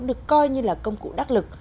được coi như là công cụ đắc lực